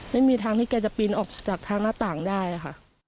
ไม่มีทางที่แกจะปีนออกจากทางหน้าต่างได้ค่ะ